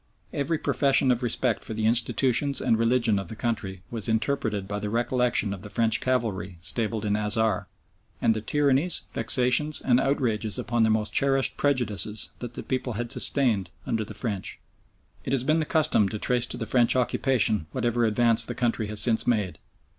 Every profession of respect for the institutions and religion of the country was interpreted by the recollection of the French cavalry stabled in the Azhar, and the tyrannies, vexations, and outrages upon their most cherished prejudices that the people had sustained under the French. It has been the custom to trace to the French occupation whatever advance the country has since made.